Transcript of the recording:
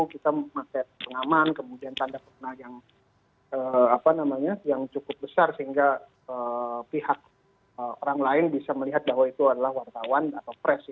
kita memakai pengaman kemudian tanda kena yang cukup besar sehingga pihak orang lain bisa melihat bahwa itu adalah wartawan atau pres